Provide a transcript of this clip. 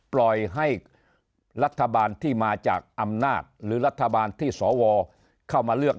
ปล่อยให้รัฐบาลที่มาจากอำนาจหรือรัฐบาลที่สวเข้ามาเลือก